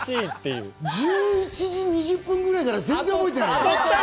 １１時２０分ぐらいから全然覚えてないの。